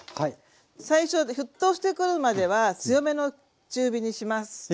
最初沸騰してくるまでは強めの中火にします。